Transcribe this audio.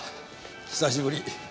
久しぶり。